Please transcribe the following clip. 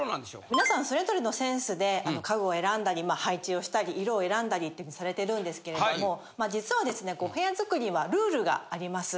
皆さんそれぞれのセンスで家具を選んだり配置をしたり色を選んだりってされてるんですけれども実はですね部屋作りはルールがあります。